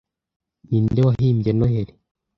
Ninde wahimbye Noheri